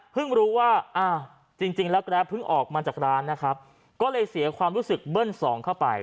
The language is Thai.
รู้ว่าจริงแล้วแกรปเพิ่งออกมาจากร้านนะครับก็เลยเสียความรู้สึกเบิ้ลสองเข้าไป